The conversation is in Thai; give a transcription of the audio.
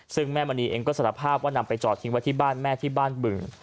ซึ่งแม่มณีเองก็สารภาพว่านำไปจอดทิ้งไว้ที่บ้านแม่ที่บ้านบึง